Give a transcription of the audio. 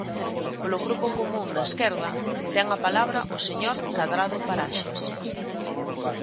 Polo Grupo Común da Esquerda, ten a palabra o señor Cadrado Paraxes.